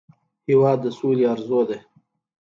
هېواد د سولې ارزو ده.